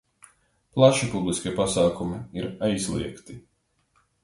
Plaši publiskie pasākumi ir aizliegti.